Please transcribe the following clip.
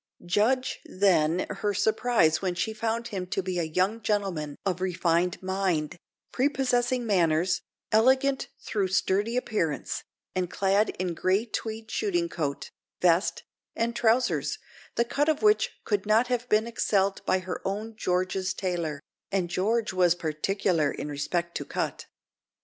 Judge, then, her surprise when she found him to be a young gentleman of refined mind, prepossessing manners, elegant though sturdy appearance, and clad in grey tweed shooting coat, vest, and trousers, the cut of which could not have been excelled by her own George's tailor, and George was particular in respect to cut.